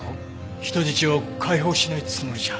人質を解放しないつもりじゃ。